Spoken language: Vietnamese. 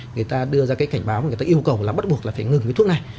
người ta đưa ra cái cảnh báo mà người ta yêu cầu là bắt buộc là phải ngừng cái thuốc này